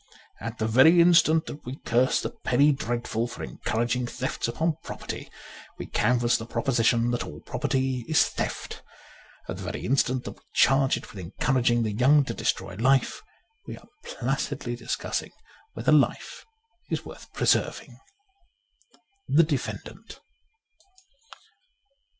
At the very instant that we curse the Penny Dreadful for encouraging thefts upon property, we canvass the proposition that all property is theft. ... At the very instant that we charge it with encouraging the young to destroy life, we are placidly discussing whether life is worth preserving. ' The Defendant.''